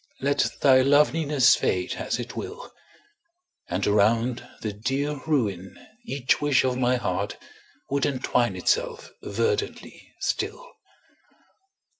Let thy loveliness fade as it will. And around the dear ruin each wish of my heart Would entwine itself verdantly still.